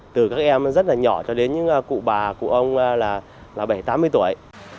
từ các em rất là nhỏ cho đến những cụ bà cụ ông là bảy mươi tám mươi tuổi